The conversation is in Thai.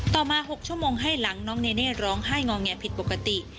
ต่อมา๖ชั่วโมงให้หลังน้องเนเน่ร้องไห้งอแงผิดปกติ